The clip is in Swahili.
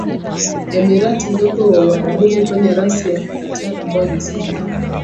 emirati ndogo wa Uarabuni kwenye rasi ya Qatar ambayo ni sehemu